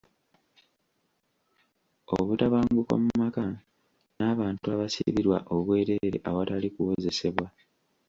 Obutabanguko mu maka, n'abantu abasibirwa obwereere awatali kuwozesebwa.